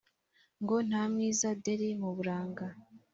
Ngo ntamwiza deri muburanga